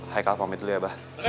haikal pamit dulu ya abah